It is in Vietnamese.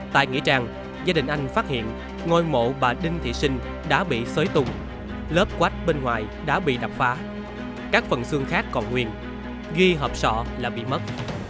tại nghĩa trang gia đình anh phát hiện ngôi mộ bà đinh thị sinh đã bị sới tùng lớp quách bên ngoài đã bị đập phá các phần xương khác còn nguyên ghi hợp sọ là bị mất